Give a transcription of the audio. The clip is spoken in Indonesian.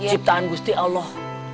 ciptaan gusti allah